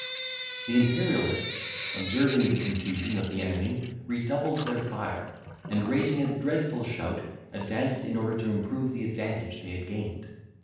The Imperialists, observing the confusion of the enemy, redoubled their fire; and, raising a dreadful shout, advanced in order to improve the advantage they had gained.